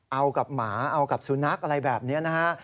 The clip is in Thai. เอากับหมาเอากับสุนัขอะไรแบบนี้นะฮะ